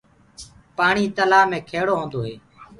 پآڻي تلآه مي کيڙو هوندو هي۔